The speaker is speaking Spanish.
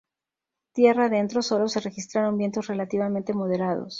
Tierra adentro, sólo se registraron vientos relativamente moderados.